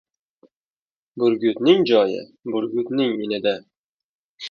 • Burgutning joyi — burgutning inida.